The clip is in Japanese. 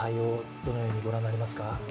どのように御覧になりますか？